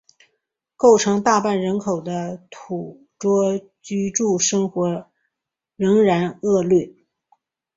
构成大半人口的土着居住生活仍然恶劣。